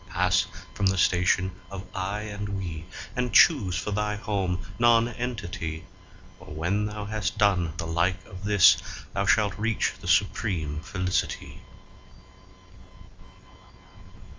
Pass from the station of "I" and "We," and choose for thy home Nonentity, For when thou has done the like of this, thou shalt reach the supreme Felicity.